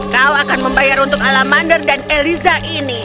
kau akan membayar untuk alamander dan eliza ini